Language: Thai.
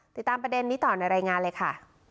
ติดตามประเด็นนี้ต่อในรายงานเลยค่ะ